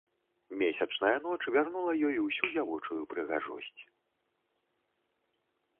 Месячная ноч вярнула ёй усю дзявочую прыгажосць.